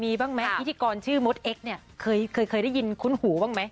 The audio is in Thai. อินทิกรชื่อหมดเอ็กซ์นี่เคยได้ยินคุ้นหูบ้างไหม